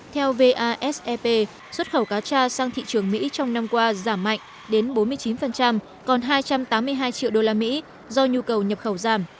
theo vasep xuất khẩu cá tra sang thị trường mỹ trong năm qua giảm mạnh đến bốn mươi chín còn hai trăm tám mươi hai triệu usd do nhu cầu nhập khẩu giảm